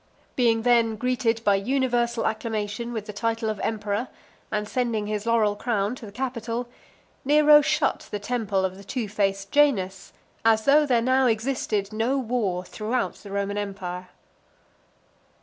Being then greeted by universal acclamation with the title of Emperor, and sending his laurel crown to the Capitol, Nero shut the temple of the two faced Janus, as though there now existed no war throughout the Roman empire.